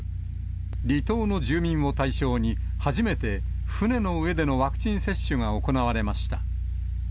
離島の住民を対象に、初めて船の上でのワクチン接種が行われました。